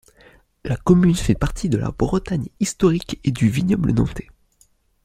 La commune fait partie de la Bretagne historique et du Vignoble nantais.